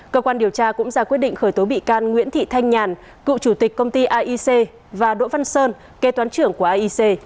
cơ quan điều tra cũng ra quyết định khởi tố bị can nguyễn thị thanh nhàn cựu chủ tịch công ty aic và đỗ văn sơn kê toán trưởng của aic